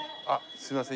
すいません